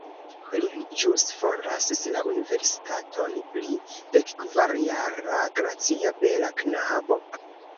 Li ĵus forlasis la universitaton, li, dekkvarjara gracia bela knabo.